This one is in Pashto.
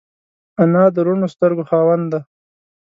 انا د روڼو سترګو خاوند ده